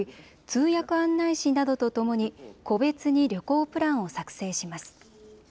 通訳案内士などとともに個別に旅行プランを作成します。